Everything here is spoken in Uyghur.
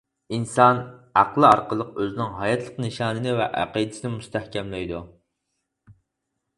ئىنسان ئەقلى ئارقىلىق ئۆزىنىڭ ھاياتلىق نىشانى ۋە ئەقىدىسىنى مۇستەھكەملەيدۇ.